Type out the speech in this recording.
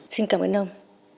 xin cảm ơn ông